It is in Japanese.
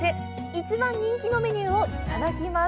１番人気のメニューをいただきます！